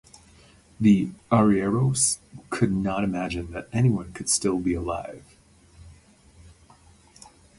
The "arrieros" could not imagine that anyone could still be alive.